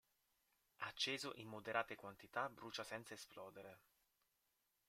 Acceso in moderate quantità brucia senza esplodere.